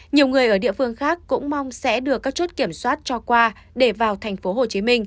nhiều người ở địa phương khác cũng mong sẽ được các chốt kiểm soát cho qua để vào tp hcm